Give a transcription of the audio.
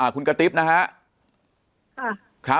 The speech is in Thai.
คุณกระติ๊บนะฮะ